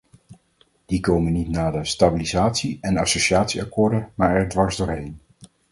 Die komen niet na de stabilisatie- en associatieakkoorden maar er dwars doorheen.